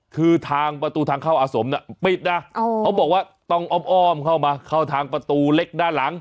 คือทางประตูทางเข้าอาสมปิดนะเขาบอกว่าต้องอ้อมเข้ามาเข้าทางประตูเล็กด้านหลัง